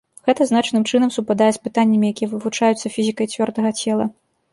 Гэта значным чынам супадае з пытаннямі, якія вывучаюцца фізікай цвёрдага цела.